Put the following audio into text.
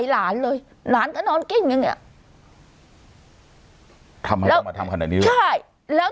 หลานหลับแล้ว